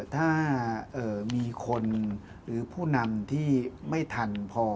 ถ้ามีคนหรือผู้นำที่ไม่ทันพอ